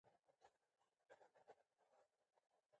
په ډیموکراټ نظام کښي انسان د اله او معبود شکل غوره کوي.